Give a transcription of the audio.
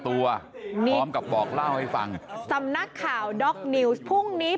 ตัวพร้อมกับบอกเล่าให้ฟังสำนักข่าวด็อกนิวส์พรุ่งนี้